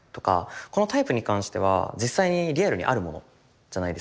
このタイプに関しては実際にリアルにあるものじゃないですか。